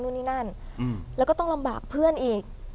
นู่นนี่นั่นแล้วก็ต้องลำบากเพื่อนอีก